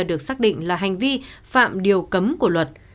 được xác định là hành vi phạm điều cấm của luật